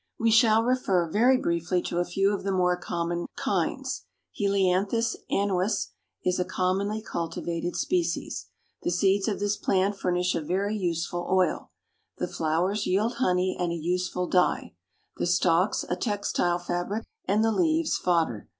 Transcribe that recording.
We shall refer very briefly to a few of the more common kinds. Helianthus annuus is a commonly cultivated species. The seeds of this plant furnish a very useful oil; the flowers yield honey and a useful dye; the stalks a textile fabric and the leaves fodder.